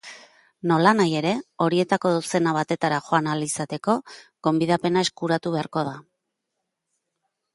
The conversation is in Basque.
Nolanahi ere, horietako dozena batetara joan ahal izateko gonbidapena eskuratu beharko da.